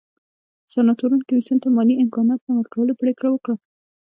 سناتورانو کمېسیون ته مالي امکاناتو نه ورکولو پرېکړه وکړه